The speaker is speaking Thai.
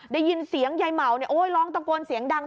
ได้ยินเสียงยายเหมาร้องตะโกนเสียงดัง